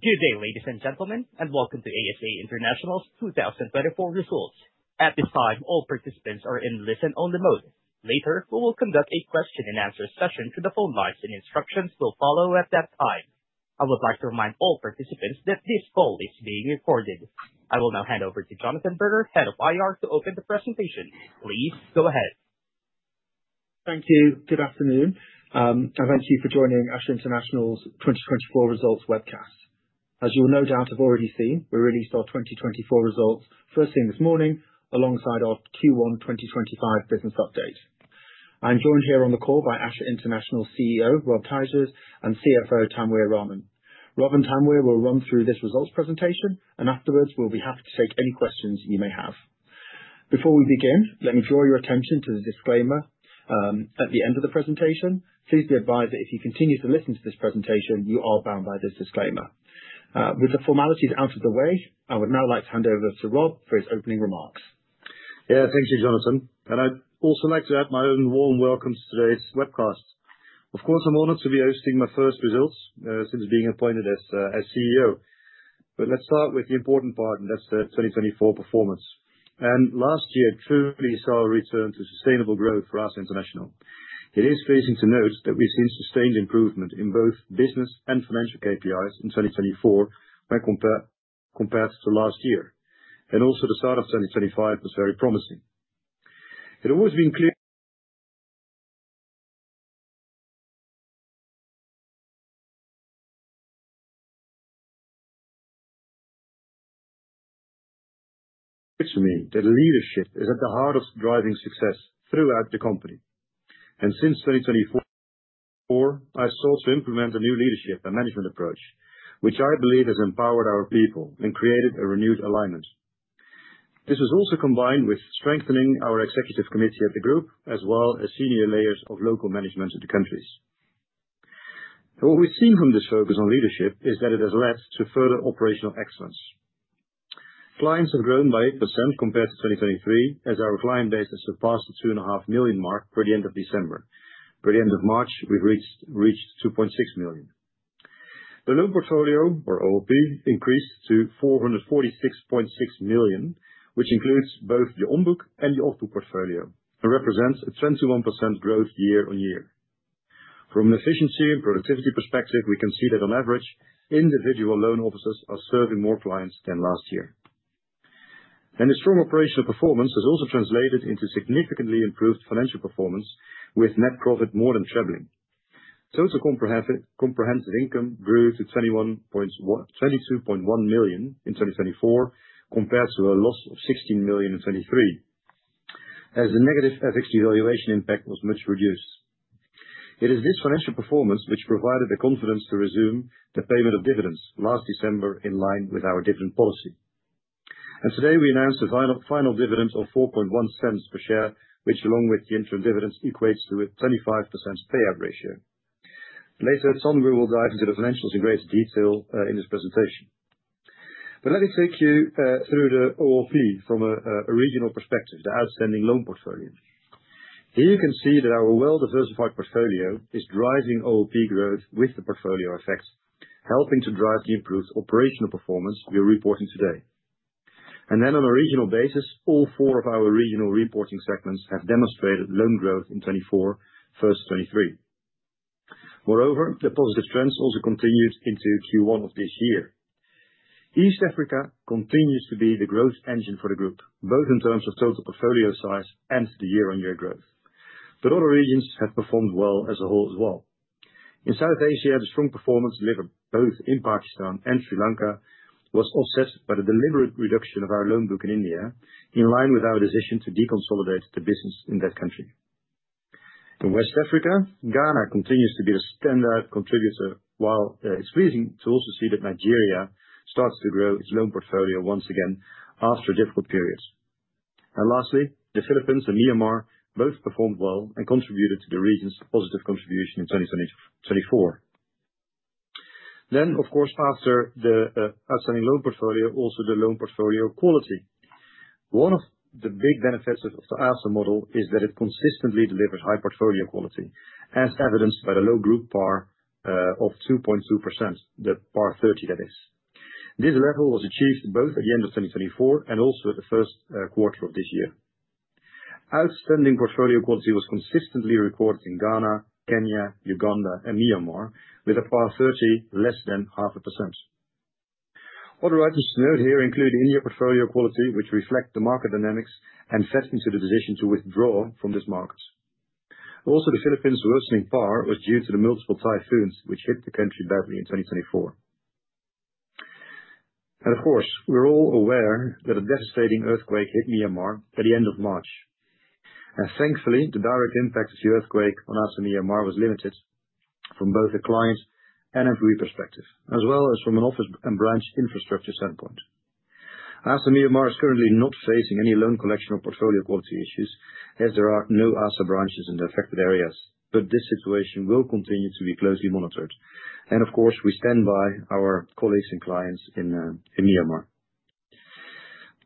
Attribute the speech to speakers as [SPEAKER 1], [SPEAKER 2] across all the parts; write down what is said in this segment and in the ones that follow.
[SPEAKER 1] Good day, ladies and gentlemen, and welcome to ASA International's 2024 Results. At this time, all participants are in listen-only mode. Later, we will conduct a question-and-answer session to the phone lines, and instructions will follow at that time. I would like to remind all participants that this call is being recorded. I will now hand over to Jonathan Berger, Head of IR, to open the presentation. Please go ahead.
[SPEAKER 2] Thank you. Good afternoon, and thank you for joining ASA International's 2024 Results Webcast. As you will no doubt have already seen, we released our 2024 results first thing this morning alongside our Q1 2025 business update. I'm joined here on the call by ASA International's CEO, Rob Keijsers, and CFO, Tanwir Rahman. Rob and Tanwir will run through this results presentation, and afterwards, we'll be happy to take any questions you may have. Before we begin, let me draw your attention to the disclaimer at the end of the presentation. Please be advised that if you continue to listen to this presentation, you are bound by this disclaimer. With the formalities out of the way, I would now like to hand over to Rob for his opening remarks.
[SPEAKER 3] Yeah, thank you, Jonathan. I'd also like to add my own warm welcome to today's webcast. Of course, I'm honored to be hosting my first results since being appointed as CEO. Let's start with the important part, and that's the 2024 performance. Last year truly saw a return to sustainable growth for ASA International. It is pleasing to note that we've seen sustained improvement in both business and financial KPIs in 2024 when compared to last year. Also, the start of 2025 was very promising. It always been clear to me that leadership is at the heart of driving success throughout the company. Since 2024, I sought to implement a new leadership and management approach, which I believe has empowered our people and created a renewed alignment. This was also combined with strengthening our executive committee at the group, as well as senior layers of local management in the countries. What we've seen from this focus on leadership is that it has led to further operational excellence. Clients have grown by 8% compared to 2023, as our client base has surpassed the 2.5 million mark by the end of December. By the end of March, we've reached 2.6 million. The loan portfolio, or OLP, increased to $446.6 million, which includes both the on-book and the off-book portfolio, and represents a 21% growth year on year. From an efficiency and productivity perspective, we can see that, on average, individual loan officers are serving more clients than last year. The strong operational performance has also translated into significantly improved financial performance, with net profit more than tripling. Total comprehensive income grew to $22.1 million in 2024, compared to a loss of $16 million in 2023, as the negative FX devaluation impact was much reduced. It is this financial performance which provided the confidence to resume the payment of dividends last December, in line with our dividend policy. Today, we announced a final dividend of $0.041 per share, which, along with the interim dividends, equates to a 25% payout ratio. Later, Tanwir will dive into the financials in greater detail in this presentation. Let me take you through the OLP from a regional perspective, the outstanding loan portfolio. Here you can see that our well-diversified portfolio is driving OLP growth with the portfolio effect, helping to drive the improved operational performance we're reporting today. On a regional basis, all four of our regional reporting segments have demonstrated loan growth in 2024 versus 2023. Moreover, the positive trends also continued into Q1 of this year. East Africa continues to be the growth engine for the group, both in terms of total portfolio size and the year-on-year growth. Other regions have performed well as a whole as well. In South Asia, the strong performance delivered both in Pakistan and Sri Lanka was offset by the deliberate reduction of our loan book in India, in line with our decision to deconsolidate the business in that country. In West Africa, Ghana continues to be the standout contributor, while it is pleasing to also see that Nigeria starts to grow its loan portfolio once again after a difficult period. Lastly, the Philippines and Myanmar both performed well and contributed to the region's positive contribution in 2024. Of course, after the outstanding loan portfolio, also the loan portfolio quality. One of the big benefits of the ASA model is that it consistently delivers high portfolio quality, as evidenced by the low group PAR of 2.2%, the PAR 30, that is. This level was achieved both at the end of 2024 and also at the first quarter of this year. Outstanding portfolio quality was consistently recorded in Ghana, Kenya, Uganda, and Myanmar, with a PAR 30 less than half a percent. Other items to note here include India portfolio quality, which reflects the market dynamics and fed into the decision to withdraw from this market. Also, the Philippines' worsening PAR was due to the multiple typhoons which hit the country badly in 2024. Of course, we're all aware that a devastating earthquake hit Myanmar at the end of March. Thankfully, the direct impact of the earthquake on ASA Myanmar was limited from both a client and employee perspective, as well as from an office and branch infrastructure standpoint. ASA Myanmar is currently not facing any loan collection or portfolio quality issues, as there are no ASA branches in the affected areas. This situation will continue to be closely monitored. Of course, we stand by our colleagues and clients in Myanmar.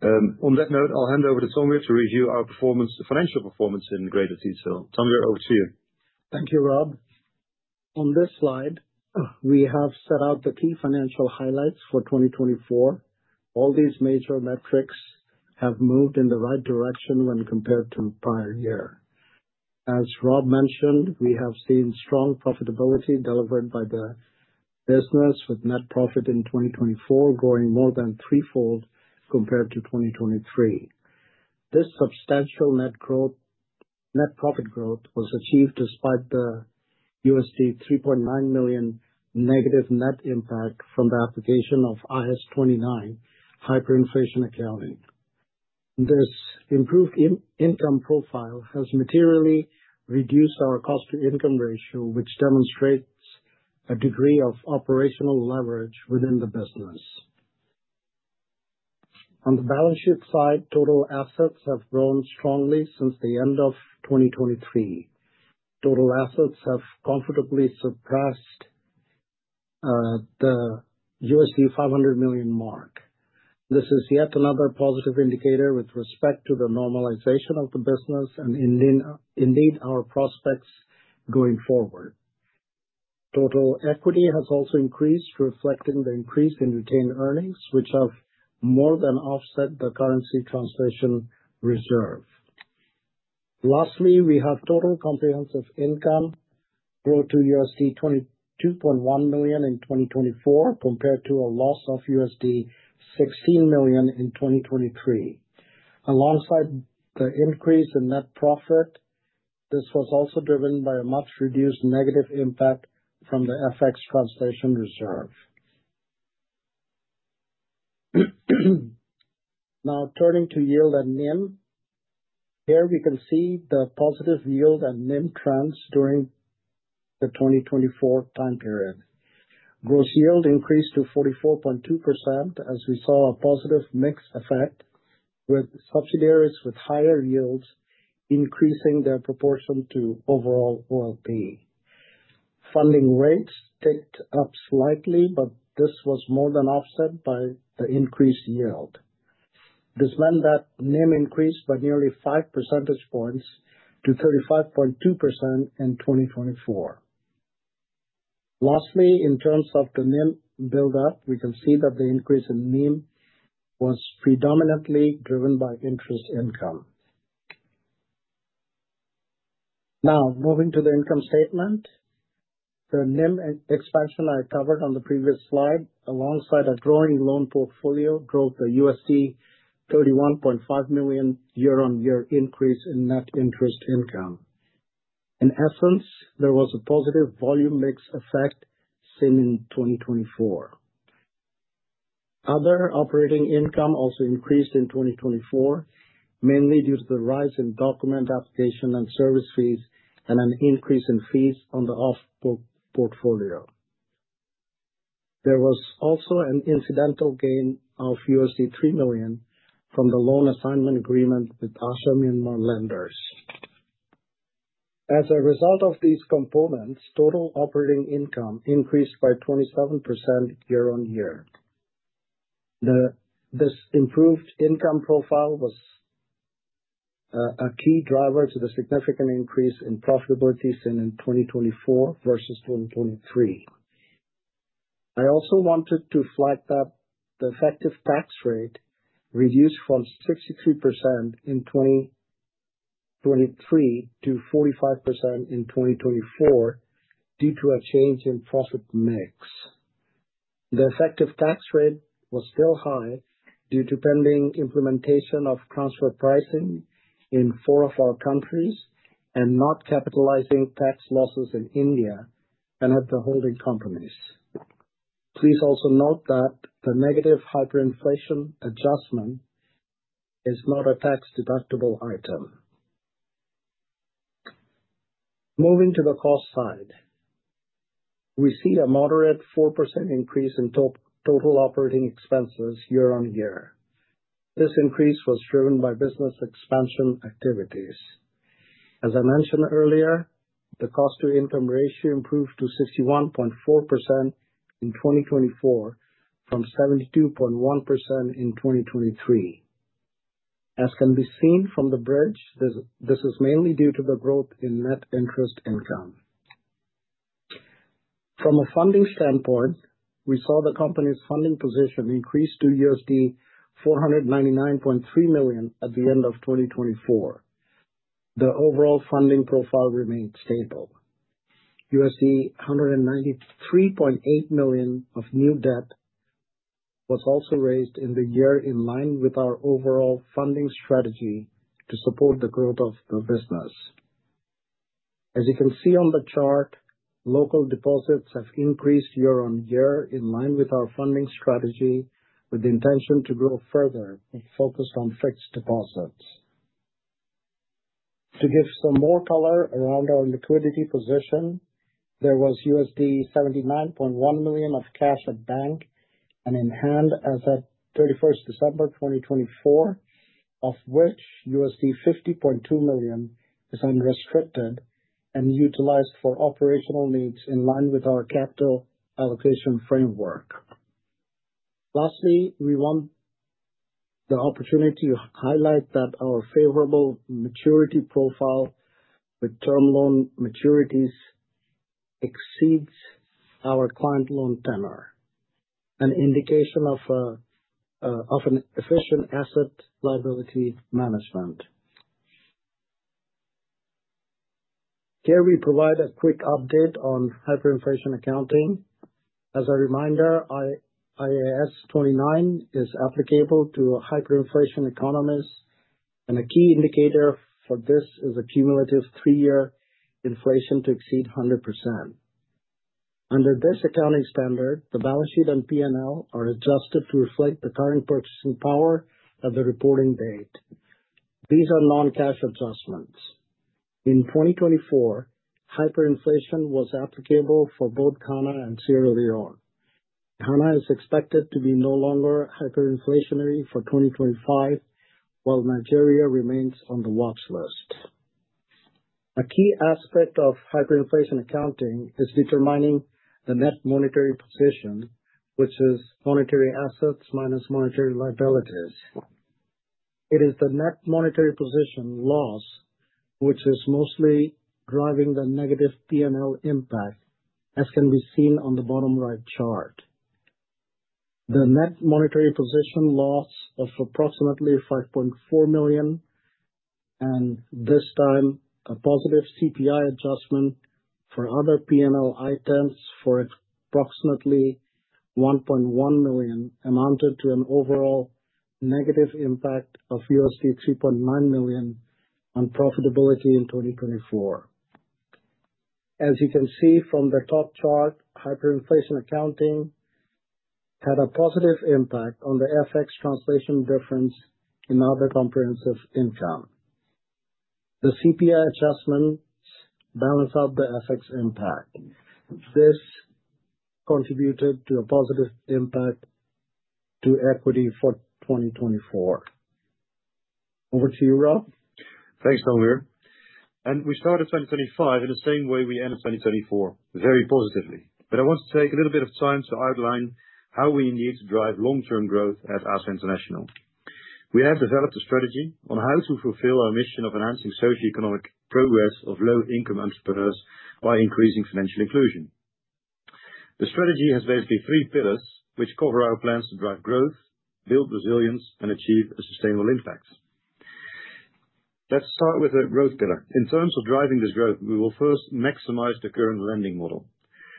[SPEAKER 3] On that note, I'll hand over to Tanwir to review our performance, the financial performance in greater detail. Tanwir, over to you.
[SPEAKER 4] Thank you, Rob. On this slide, we have set out the key financial highlights for 2024. All these major metrics have moved in the right direction when compared to the prior year. As Rob mentioned, we have seen strong profitability delivered by the business, with net profit in 2024 growing more than threefold compared to 2023. This substantial net profit growth was achieved despite the $3.9 million negative net impact from the application of IAS 29 hyperinflation accounting. This improved income profile has materially reduced our cost-to-income ratio, which demonstrates a degree of operational leverage within the business. On the balance sheet side, total assets have grown strongly since the end of 2023. Total assets have comfortably surpassed the $500 million mark. This is yet another positive indicator with respect to the normalization of the business and, indeed, our prospects going forward. Total equity has also increased, reflecting the increase in retained earnings, which have more than offset the currency translation reserve. Lastly, we have total comprehensive income growth to $22.1 million in 2024, compared to a loss of $16 million in 2023. Alongside the increase in net profit, this was also driven by a much-reduced negative impact from the FX translation reserve. Now, turning to yield and NIM. Here, we can see the positive yield and NIM trends during the 2024 time period. Gross yield increased to 44.2%, as we saw a positive mix effect with subsidiaries with higher yields increasing their proportion to overall OLP. Funding rates ticked up slightly, but this was more than offset by the increased yield. This meant that NIM increased by nearly 5 percentage points to 35.2% in 2024. Lastly, in terms of the NIM build-up, we can see that the increase in NIM was predominantly driven by interest income. Now, moving to the income statement, the NIM expansion I covered on the previous slide, alongside a growing loan portfolio, drove the $31.5 million year-on-year increase in net interest income. In essence, there was a positive volume mix effect seen in 2024. Other operating income also increased in 2024, mainly due to the rise in document application and service fees and an increase in fees on the off-book portfolio. There was also an incidental gain of $3 million from the loan assignment agreement with ASA Myanmar lenders. As a result of these components, total operating income increased by 27% year-on-year. This improved income profile was a key driver to the significant increase in profitability seen in 2024 versus 2023. I also wanted to flag that the effective tax rate reduced from 63% in 2023 to 45% in 2024 due to a change in profit mix. The effective tax rate was still high due to pending implementation of transfer pricing in four of our countries and not capitalizing tax losses in India and at the holding companies. Please also note that the negative hyperinflation adjustment is not a tax-deductible item. Moving to the cost side, we see a moderate 4% increase in total operating expenses year-on-year. This increase was driven by business expansion activities. As I mentioned earlier, the cost-to-income ratio improved to 61.4% in 2024 from 72.1% in 2023. As can be seen from the bridge, this is mainly due to the growth in net interest income. From a funding standpoint, we saw the company's funding position increase to $499.3 million at the end of 2024. The overall funding profile remained stable. $193.8 million of new debt was also raised in the year in line with our overall funding strategy to support the growth of the business. As you can see on the chart, local deposits have increased year-on-year in line with our funding strategy, with the intention to grow further when focused on fixed deposits. To give some more color around our liquidity position, there was $79.1 million of cash at bank and in hand as of 31st December 2024, of which $50.2 million is unrestricted and utilized for operational needs in line with our capital allocation framework. Lastly, we want the opportunity to highlight that our favorable maturity profile with term loan maturities exceeds our client loan tenor, an indication of an efficient asset liability management. Here, we provide a quick update on hyperinflation accounting. As a reminder, IAS 29 is applicable to hyperinflation economies, and a key indicator for this is a cumulative three-year inflation to exceed 100%. Under this accounting standard, the balance sheet and P&L are adjusted to reflect the current purchasing power at the reporting date. These are non-cash adjustments. In 2024, hyperinflation was applicable for both Ghana and Sierra Leone. Ghana is expected to be no longer hyperinflationary for 2025, while Nigeria remains on the watch list. A key aspect of hyperinflation accounting is determining the net monetary position, which is monetary assets minus monetary liabilities. It is the net monetary position loss which is mostly driving the negative P&L impact, as can be seen on the bottom right chart. The net monetary position loss of approximately $5.4 million, and this time a positive CPI adjustment for other P&L items for approximately $1.1 million, amounted to an overall negative impact of $3.9 million on profitability in 2024. As you can see from the top chart, hyperinflation accounting had a positive impact on the FX translation difference in other comprehensive income. The CPI adjustments balance out the FX impact. This contributed to a positive impact to equity for 2024. Over to you, Rob.
[SPEAKER 3] Thanks, Tanwir. We started 2025 in the same way we ended 2024, very positively. I want to take a little bit of time to outline how we need to drive long-term growth at ASA International. We have developed a strategy on how to fulfill our mission of enhancing socio-economic progress of low-income entrepreneurs by increasing financial inclusion. The strategy has basically three pillars which cover our plans to drive growth, build resilience, and achieve a sustainable impact. Let's start with the growth pillar. In terms of driving this growth, we will first maximize the current lending model.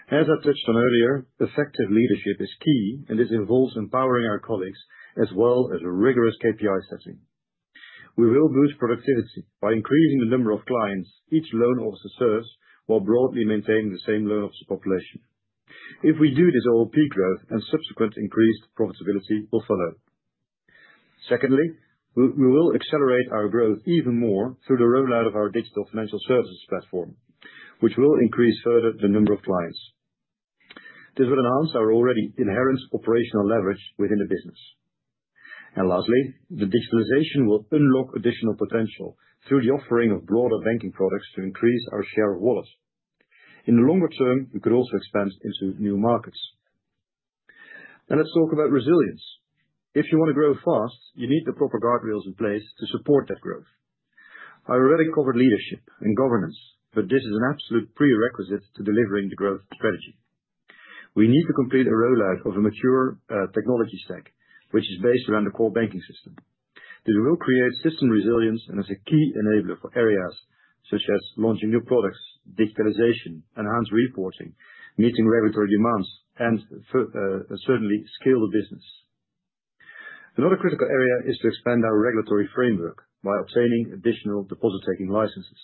[SPEAKER 3] As I touched on earlier, effective leadership is key, and this involves empowering our colleagues as well as rigorous KPI setting. We will boost productivity by increasing the number of clients each loan officer serves while broadly maintaining the same loan officer population. If we do this, OLP growth and subsequent increased profitability will follow. Secondly, we will accelerate our growth even more through the rollout of our digital financial services platform, which will increase further the number of clients. This will enhance our already inherent operational leverage within the business. Lastly, the digitalization will unlock additional potential through the offering of broader banking products to increase our share of wallets. In the longer term, we could also expand into new markets. Now, let's talk about resilience. If you want to grow fast, you need the proper guardrails in place to support that growth. I already covered leadership and governance, but this is an absolute prerequisite to delivering the growth strategy. We need to complete a rollout of a mature technology stack, which is based around the core banking system. This will create system resilience and is a key enabler for areas such as launching new products, digitalization, enhanced reporting, meeting regulatory demands, and certainly scale the business. Another critical area is to expand our regulatory framework by obtaining additional deposit-taking licenses.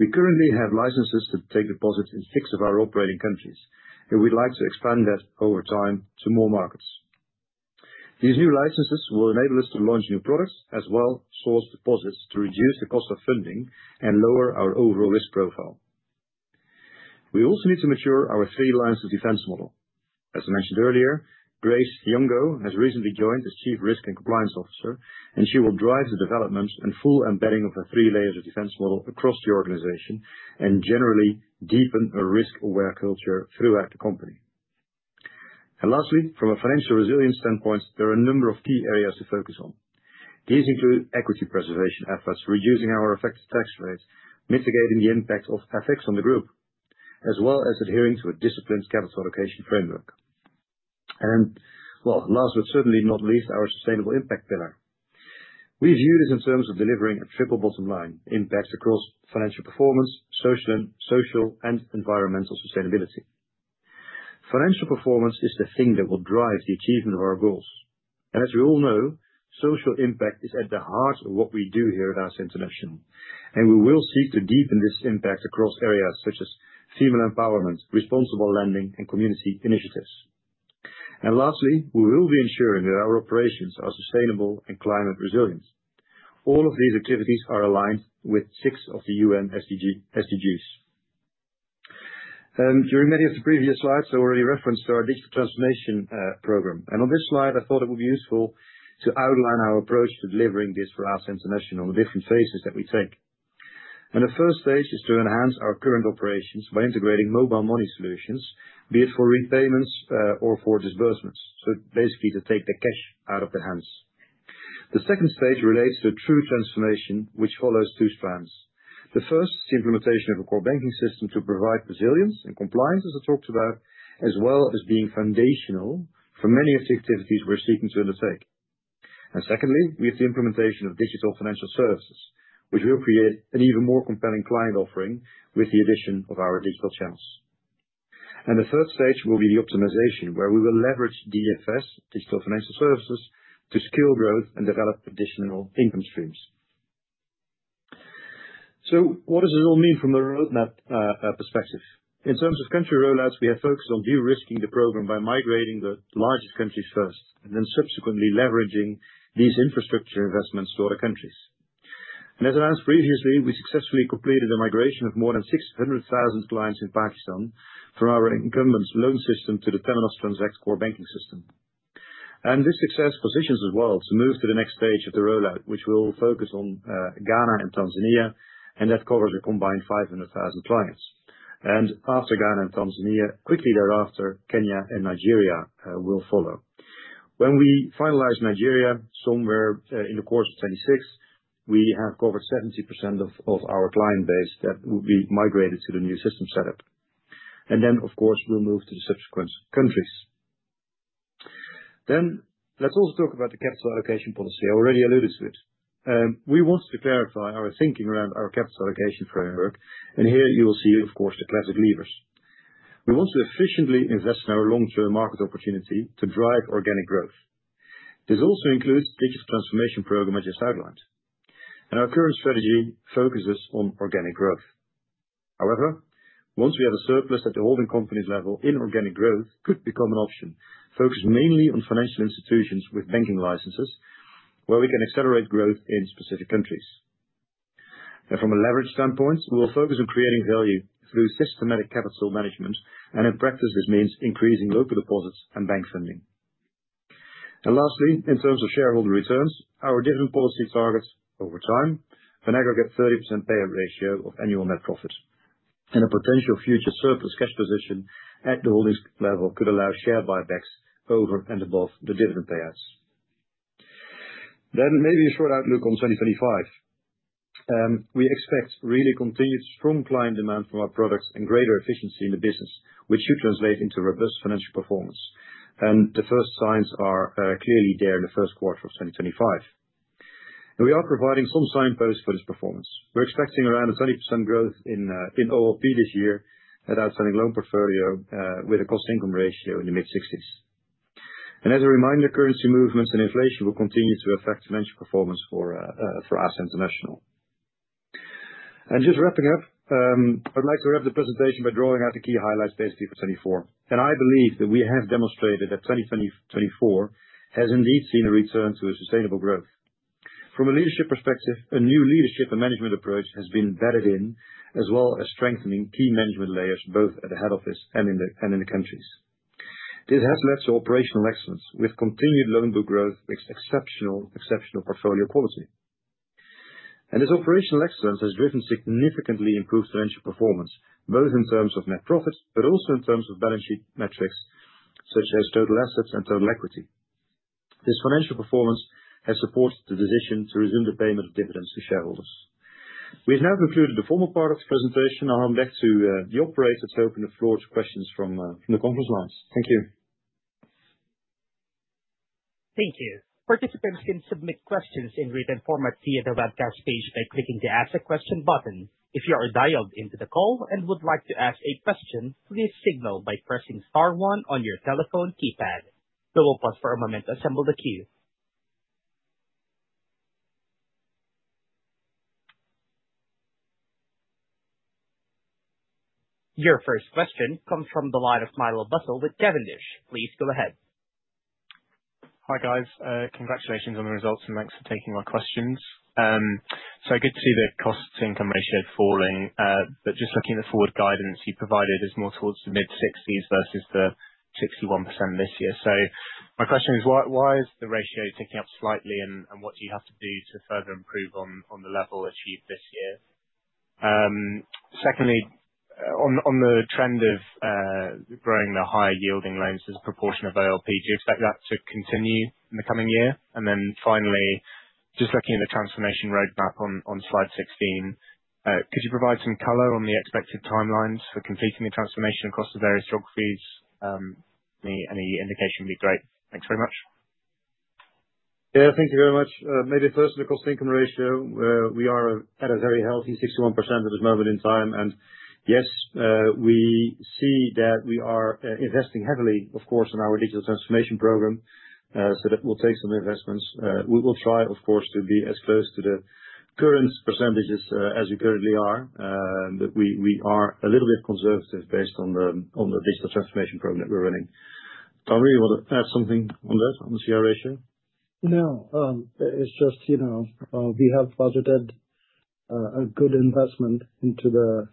[SPEAKER 3] We currently have licenses to take deposits in six of our operating countries, and we'd like to expand that over time to more markets. These new licenses will enable us to launch new products as well as source deposits to reduce the cost of funding and lower our overall risk profile. We also need to mature our three lines of defense model. As I mentioned earlier, Grace Yongo has recently joined as Chief Risk and Compliance Officer, and she will drive the development and full embedding of the three lines of defense model across the organization and generally deepen a risk-aware culture throughout the company. Lastly, from a financial resilience standpoint, there are a number of key areas to focus on. These include equity preservation efforts, reducing our effective tax rates, mitigating the impact of FX on the group, as well as adhering to a disciplined capital allocation framework. Last but certainly not least, our sustainable impact pillar. We view this in terms of delivering a triple bottom line impact across financial performance, social, and environmental sustainability. Financial performance is the thing that will drive the achievement of our goals. As we all know, social impact is at the heart of what we do here at ASA International, and we will seek to deepen this impact across areas such as female empowerment, responsible lending, and community initiatives. Lastly, we will be ensuring that our operations are sustainable and climate resilient. All of these activities are aligned with six of the UN SDGs. During many of the previous slides, I already referenced our digital transformation program. On this slide, I thought it would be useful to outline our approach to delivering this for ASA International, the different phases that we take. The first stage is to enhance our current operations by integrating mobile money solutions, be it for repayments or for disbursements, so basically to take the cash out of the hands. The second stage relates to true transformation, which follows two strands. The first is the implementation of a core banking system to provide resilience and compliance, as I talked about, as well as being foundational for many of the activities we're seeking to undertake. Secondly, we have the implementation of digital financial services, which will create an even more compelling client offering with the addition of our digital channels. The third stage will be the optimization, where we will leverage DFS, digital financial services, to scale growth and develop additional income streams. What does this all mean from the roadmap perspective? In terms of country rollouts, we have focused on de-risking the program by migrating the largest countries first and then subsequently leveraging these infrastructure investments to other countries. As announced previously, we successfully completed a migration of more than 600,000 clients in Pakistan from our incumbent loan system to the Temenos Transact core banking system. This success positions us well to move to the next stage of the rollout, which will focus on Ghana and Tanzania, and that covers a combined 500,000 clients. After Ghana and Tanzania, quickly thereafter, Kenya and Nigeria will follow. When we finalize Nigeria, somewhere in the course of 2026, we have covered 70% of our client base that will be migrated to the new system setup. Of course, we will move to the subsequent countries. Let's also talk about the capital allocation policy. I already alluded to it. We wanted to clarify our thinking around our capital allocation framework, and here you will see the classic levers. We want to efficiently invest in our long-term market opportunity to drive organic growth. This also includes the digital transformation program I just outlined. Our current strategy focuses on organic growth. However, once we have a surplus at the holding companies level, inorganic growth could become an option, focused mainly on financial institutions with banking licenses, where we can accelerate growth in specific countries. From a leverage standpoint, we will focus on creating value through systematic capital management, and in practice, this means increasing local deposits and bank funding. Lastly, in terms of shareholder returns, our dividend policy targets over time an aggregate 30% payout ratio of annual net profit. A potential future surplus cash position at the holdings level could allow share buybacks over and above the dividend payouts. Maybe a short outlook on 2025. We expect really continued strong client demand for our products and greater efficiency in the business, which should translate into robust financial performance. The first signs are clearly there in the first quarter of 2025. We are providing some signposts for this performance. We're expecting around 20% growth in OLP this year at outstanding loan portfolio with a cost-income ratio in the mid-60s. As a reminder, currency movements and inflation will continue to affect financial performance for ASA International. Wrapping up, I'd like to wrap the presentation by drawing out the key highlights basically for 2024. I believe that we have demonstrated that 2024 has indeed seen a return to sustainable growth. From a leadership perspective, a new leadership and management approach has been embedded in, as well as strengthening key management layers, both at the head office and in the countries. This has led to operational excellence with continued loan book growth, which is exceptional portfolio quality. This operational excellence has driven significantly improved financial performance, both in terms of net profits, but also in terms of balance sheet metrics such as total assets and total equity. This financial performance has supported the decision to resume the payment of dividends to shareholders. We have now concluded the formal part of the presentation. I'll hand back to the operators to open the floor to questions from the conference lines. Thank you.
[SPEAKER 1] Thank you. Participants can submit questions in written format via the webcast page by clicking the ASA question button. If you are dialed into the call and would like to ask a question, please signal by pressing star one on your telephone keypad. We will pause for a moment to assemble the queue. Your first question comes from the line of Milo Bussell with Cavendish. Please go ahead.
[SPEAKER 5] Hi guys. Congratulations on the results and thanks for taking my questions. Good to see the cost-income ratio falling, but just looking at the forward guidance you provided is more towards the mid-60s versus the 61% this year. My question is, why is the ratio ticking up slightly, and what do you have to do to further improve on the level achieved this year? Secondly, on the trend of growing the higher yielding loans as a proportion of OLP, do you expect that to continue in the coming year? Finally, just looking at the transformation roadmap on slide 16, could you provide some color on the expected timelines for completing the transformation across the various geographies? Any indication would be great. Thanks very much.
[SPEAKER 3] Yeah, thank you very much. Maybe first, the cost-income ratio. We are at a very healthy 61% at this moment in time. Yes, we see that we are investing heavily, of course, in our digital transformation program, so that will take some investments. We will try, of course, to be as close to the current percentages as we currently are, but we are a little bit conservative based on the digital transformation program that we're running. Tanwir, you want to add something on that, on the CR ratio?
[SPEAKER 4] No, it's just we have budgeted a good investment into the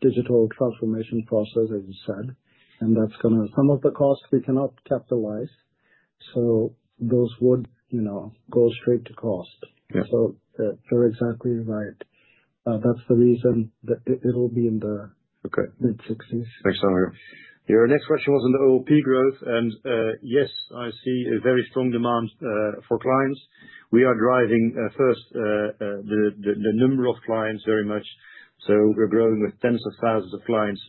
[SPEAKER 4] digital transformation process, as you said, and that's going to some of the costs we cannot capitalize. Those would go straight to cost. You're exactly right. That's the reason that it'll be in the mid-60s.
[SPEAKER 3] Thanks, Tanwir. Your next question was on the OLP growth. Yes, I see a very strong demand for clients. We are driving first the number of clients very much. We are growing with tens of thousands of clients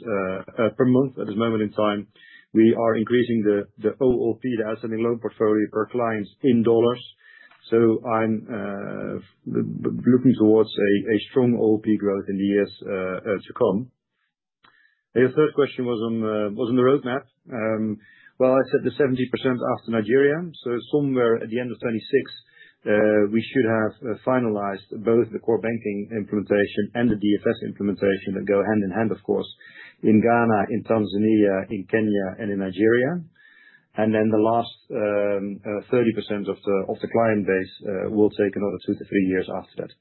[SPEAKER 3] per month at this moment in time. We are increasing the OLP, the outstanding loan portfolio per client in dollars. I am looking towards a strong OLP growth in the years to come. Your third question was on the roadmap. I said the 70% after Nigeria. Somewhere at the end of 2026, we should have finalized both the core banking implementation and the DFS implementation that go hand in hand, of course, in Ghana, in Tanzania, in Kenya, and in Nigeria. The last 30% of the client base will take another two to three years after that.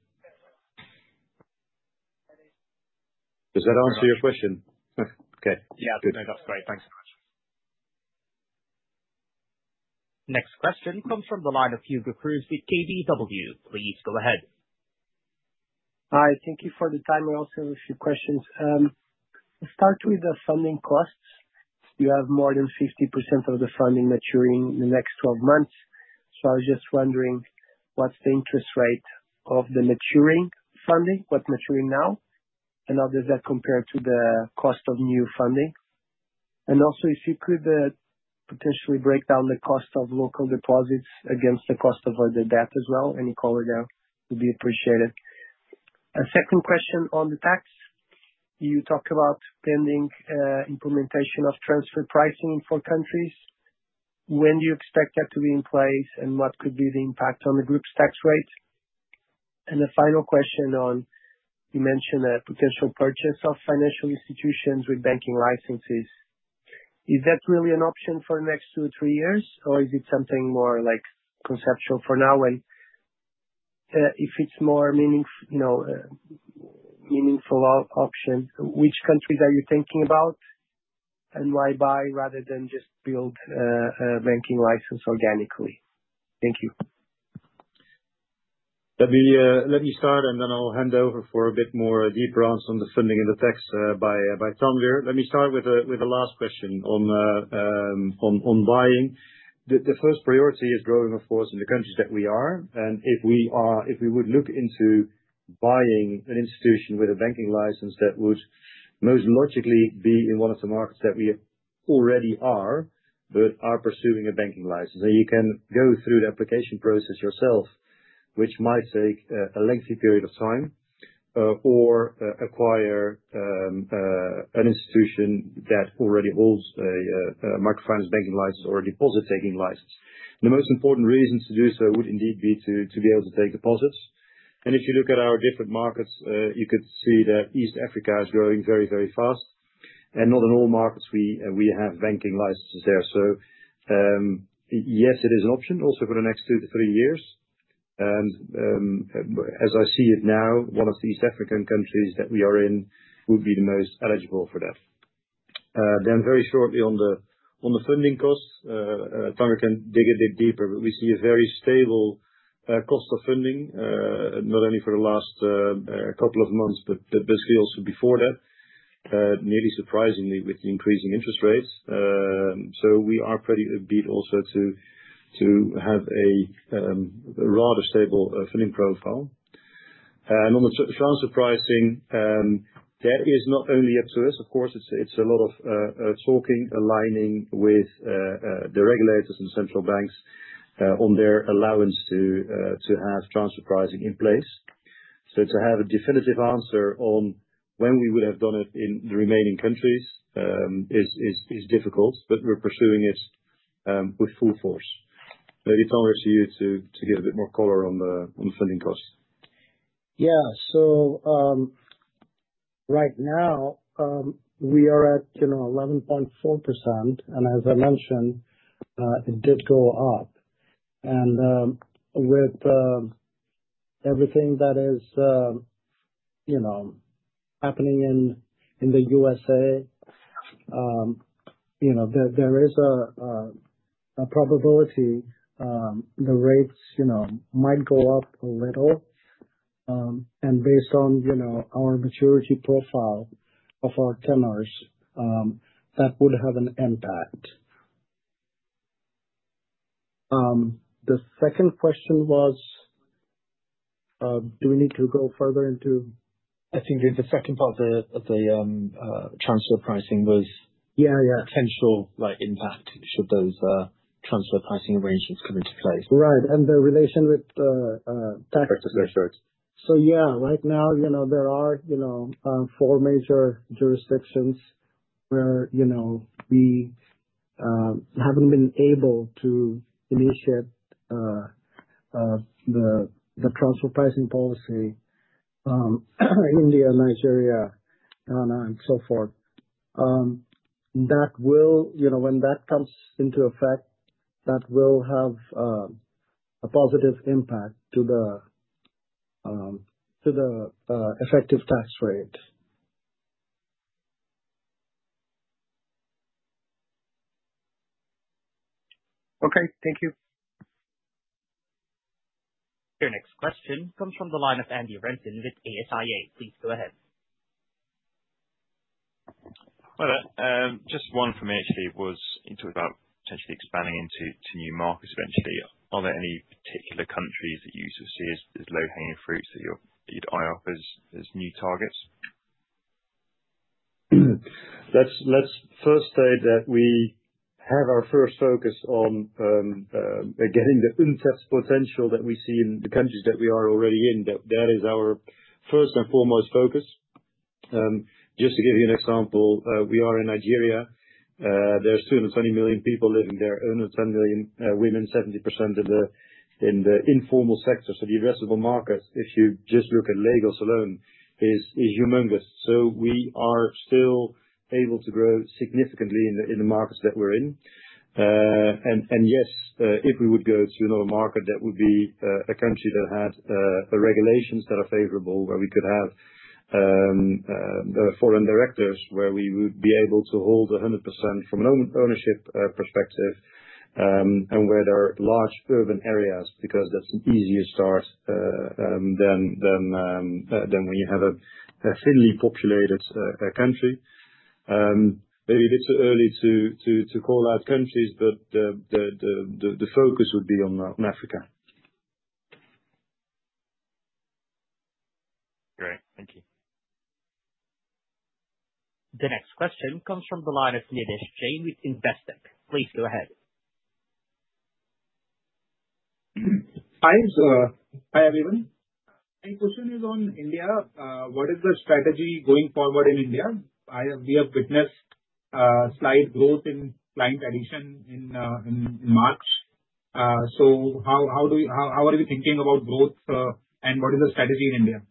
[SPEAKER 3] Does that answer your question? Okay.
[SPEAKER 5] Yeah, no, that's great. Thanks so much.
[SPEAKER 1] Next question comes from the line of Hugo Cruz with KBW. Please go ahead.
[SPEAKER 6] Hi, thank you for the time. I also have a few questions. I'll start with the funding costs. You have more than 50% of the funding maturing in the next 12 months. I was just wondering what's the interest rate of the maturing funding, what's maturing now, and how does that compare to the cost of new funding? Also, if you could potentially break down the cost of local deposits against the cost of the debt as well, any color there would be appreciated. A second question on the tax. You talked about pending implementation of transfer pricing in four countries. When do you expect that to be in place, and what could be the impact on the group's tax rate? The final question, you mentioned a potential purchase of financial institutions with banking licenses. Is that really an option for the next two or three years, or is it something more conceptual for now? If it's a more meaningful option, which countries are you thinking about and why buy, rather than just build a banking license organically? Thank you.
[SPEAKER 3] Let me start, and then I'll hand over for a bit more deeper answer on the funding and the tax by Tom Wetherbee. Let me start with the last question on buying. The first priority is growing, of course, in the countries that we are. If we would look into buying an institution with a banking license, that would most logically be in one of the markets that we already are, but are pursuing a banking license. You can go through the application process yourself, which might take a lengthy period of time, or acquire an institution that already holds a microfinance banking license or a deposit-taking license. The most important reason to do so would indeed be to be able to take deposits. If you look at our different markets, you could see that East Africa is growing very, very fast. Not in all markets we have banking licenses there. Yes, it is an option also for the next two to three years. As I see it now, one of the East African countries that we are in would be the most eligible for that. Very shortly on the funding cost, Tanwir can dig a bit deeper, but we see a very stable cost of funding, not only for the last couple of months, but basically also before that, nearly surprisingly with the increasing interest rates. We are pretty beat also to have a rather stable funding profile. On the transfer pricing, that is not only up to us, of course. It is a lot of talking, aligning with the regulators and central banks on their allowance to have transfer pricing in place. To have a definitive answer on when we would have done it in the remaining countries is difficult, but we're pursuing it with full force. Maybe Tanwir, it's you to give a bit more color on the funding cost.
[SPEAKER 4] Yeah, right now, we are at 11.4%. As I mentioned, it did go up. With everything that is happening in the U.S., there is a probability the rates might go up a little. Based on our maturity profile of our tenors, that would have an impact. The second question was, do we need to go further into?
[SPEAKER 6] I think in the second part of the transfer pricing was potential impact should those transfer pricing arrangements come into place.
[SPEAKER 4] Right. The relation with tax.
[SPEAKER 6] Sorry, sorry.
[SPEAKER 4] Yeah, right now, there are four major jurisdictions where we haven't been able to initiate the transfer pricing policy: India, Nigeria, Ghana, and so forth. That will, when that comes into effect, that will have a positive impact to the effective tax rate.
[SPEAKER 6] Okay, thank you.
[SPEAKER 1] Your next question comes from the line of Andy Wenton with ASIA. Please go ahead.
[SPEAKER 7] Hi there. Just one for me, actually, was you talked about potentially expanding into new markets eventually. Are there any particular countries that you sort of see as low-hanging fruits that you'd eye off as new targets?
[SPEAKER 3] Let's first state that we have our first focus on getting the untapped potential that we see in the countries that we are already in. That is our first and foremost focus. Just to give you an example, we are in Nigeria. There are 220 million people living there, 110 million women, 70% in the informal sector. The addressable market, if you just look at Lagos alone, is humongous. We are still able to grow significantly in the markets that we're in. Yes, if we would go to another market, that would be a country that had regulations that are favorable, where we could have foreign directors, where we would be able to hold 100% from an ownership perspective, and where there are large urban areas, because that's an easier start than when you have a thinly populated country. Maybe a bit too early to call out countries, but the focus would be on Africa.
[SPEAKER 7] Great. Thank you.
[SPEAKER 1] The next question comes from the line of Nidhesh Jain with Investec. Please go ahead.
[SPEAKER 8] Hi, everyone. My question is on India. What is the strategy going forward in India? We have witnessed slight growth in client addition in March. How are we thinking about growth, and what is the strategy in India?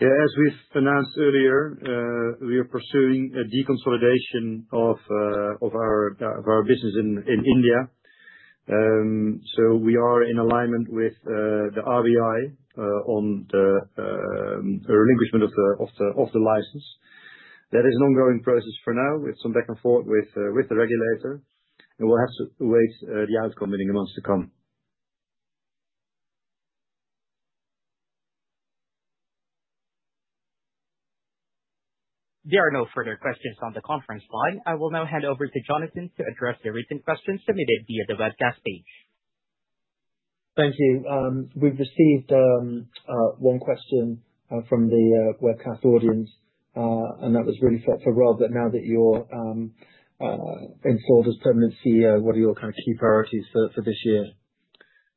[SPEAKER 3] Yeah, as we announced earlier, we are pursuing a deconsolidation of our business in India. We are in alignment with the RBI on the relinquishment of the license. That is an ongoing process for now, with some back and forth with the regulator. We'll have to await the outcome in the months to come.
[SPEAKER 1] There are no further questions on the conference line. I will now hand over to Jonathan to address the written questions submitted via the webcast page.
[SPEAKER 2] Thank you. We've received one question from the webcast audience, and that was really for Rob. Now that you're installed as permanent CEO, what are your kind of key priorities for this year?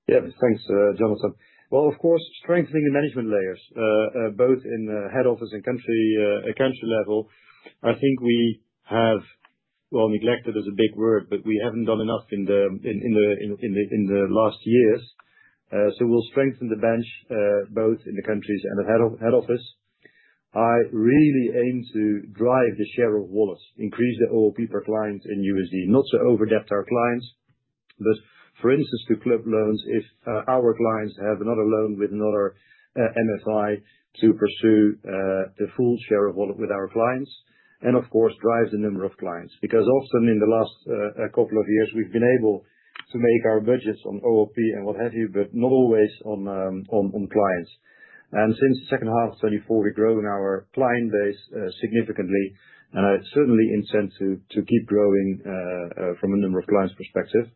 [SPEAKER 3] Yeah, thanks, Jonathan. Of course, strengthening the management layers, both in head office and country level. I think we have neglected—that's a big word—but we haven't done enough in the last years. We will strengthen the bench both in the countries and at head office. I really aim to drive the share of wallets, increase the OLP per client in USD, not to overdept our clients, but, for instance, to clip loans if our clients have another loan with another MFI to pursue the full share of wallet with our clients. Of course, drive the number of clients. Because often, in the last couple of years, we've been able to make our budgets on OLP and what have you, but not always on clients. Since the second half of 2024, we're growing our client base significantly. I certainly intend to keep growing from a number of clients' perspective.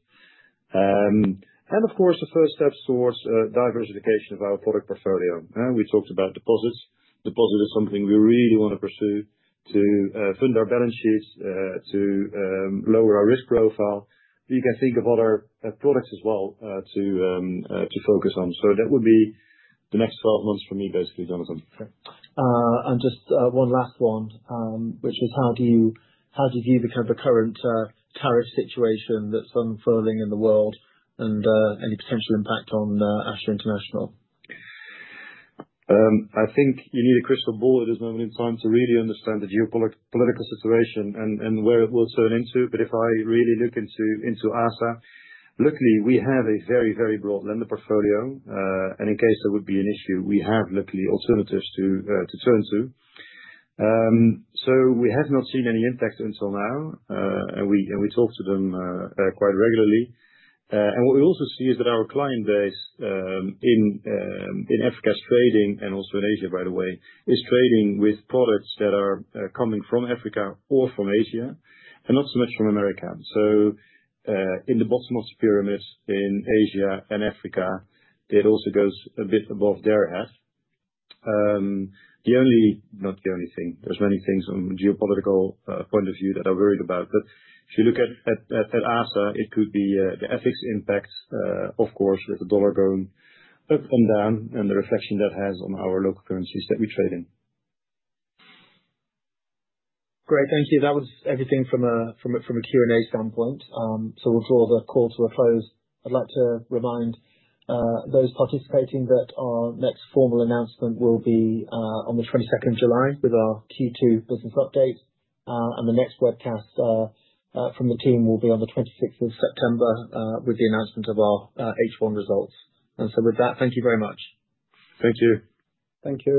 [SPEAKER 3] Of course, the first step towards diversification of our product portfolio. We talked about deposits. Deposit is something we really want to pursue to fund our balance sheets, to lower our risk profile. You can think of other products as well to focus on. That would be the next 12 months for me, basically, Jonathan.
[SPEAKER 2] Just one last one, which is how do you view the kind of current tariff situation that's unfurling in the world and any potential impact on ASA International?
[SPEAKER 3] I think you need a crystal ball at this moment in time to really understand the geopolitical situation and where it will turn into. If I really look into ASA, luckily, we have a very, very broad lender portfolio. In case there would be an issue, we have luckily alternatives to turn to. We have not seen any impact until now. We talk to them quite regularly. What we also see is that our client base in Africa is trading, and also in Asia, by the way, is trading with products that are coming from Africa or from Asia, and not so much from America. In the bottom of the pyramid in Asia and Africa, it also goes a bit above their head. Not the only thing. There are many things from a geopolitical point of view that are worrying about. If you look at ASA, it could be the FX impact, of course, with the dollar going up and down, and the reflection that has on our local currencies that we trade in.
[SPEAKER 2] Great. Thank you. That was everything from a Q&A standpoint. We will draw the call to a close. I would like to remind those participating that our next formal announcement will be on the 22nd of July with our Q2 business update. The next webcast from the team will be on the 26th of September with the announcement of our H1 results. With that, thank you very much.
[SPEAKER 3] Thank you.
[SPEAKER 4] Thank you.